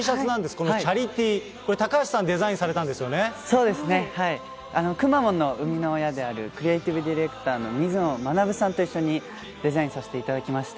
このチャリＴ、これ、高橋さそうですね、くまモンの生みの親であるクリエーティブディレクターの水野学さんと一緒にデザインさせていただきました。